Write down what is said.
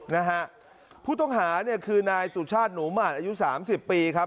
นะฮะผู้ต้องหาเนี่ยคือนายสุชาติหนูหมาดอายุสามสิบปีครับ